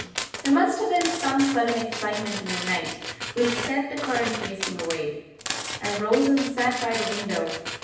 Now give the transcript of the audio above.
There must have been some sudden excitement in the night, which sent the current racing away. I rose and sat by the window.